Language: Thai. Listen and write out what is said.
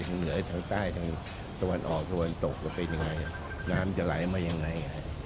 เหนือทางใต้ทางตะวันออกตะวันตกจะเป็นยังไงน้ำจะไหลมายังไง